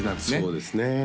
そうですね